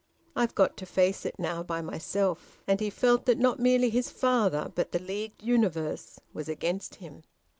I've got to face it now, by myself." And he felt that not merely his father, but the leagued universe, was against him.